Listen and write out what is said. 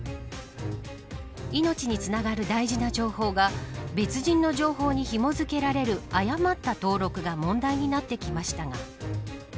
命につながる大事な情報が別人の情報にひも付けられる誤った登録が問題となってきましたが